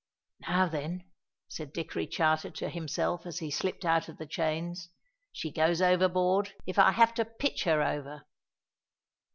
"Now, then," said Dickory Charter to himself as he slipped out of the chains, "she goes overboard, if I have to pitch her over."